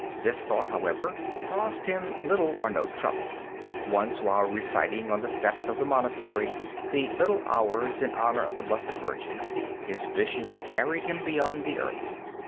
This thought, however, caused him little or no trouble. Once, while reciting on the steps of the monastery the little hours in honor of the Blessed Virgin, his vision carried him beyond the earth.